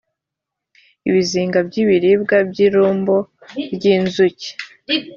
ibizinga by ibiribwa iby’ irumbo ry inzuki.